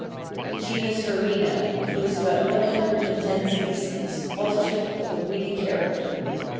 The genus Verbena includes about one hundred and ten species, often of a weedy character.